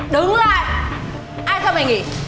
đứng lại ai cho mày nghỉ